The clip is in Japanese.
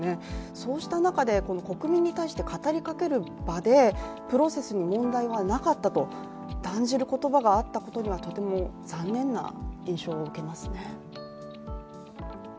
そうした中で国民に対して語りかける場でプロセスに問題はなかったと断じる言葉があったことにはとても残念な印象を受けますね。